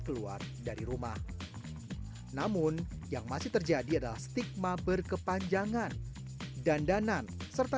keluar dari rumah namun yang masih terjadi adalah stigma berkepanjangan dandanan serta